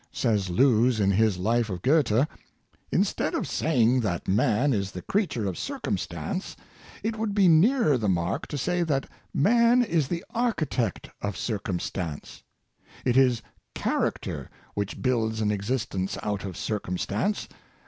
Says Lewes in his life of Goethe: "In stead of saying that man is the creature of circum stance, it would be nearer the mark to say that man is the architect of circumstance. It is character which builds an existence out of circumstance.